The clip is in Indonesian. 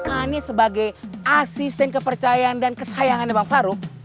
aneh sebagai asisten kepercayaan dan kesayangan bang farouk